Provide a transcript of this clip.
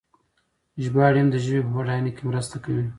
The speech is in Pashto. ژباړې هم د ژبې په بډاینه کې مرسته کوي.